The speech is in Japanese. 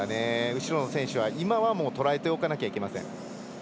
後ろの選手は今はとらえておかなきゃいけません。